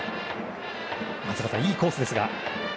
松坂さん、いいコースですが。